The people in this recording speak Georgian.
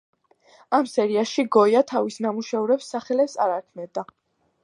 ამ სერიაში გოია თავის ნამუშევრებს სახელებს არ არქმევდა.